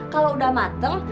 kalau udah mateng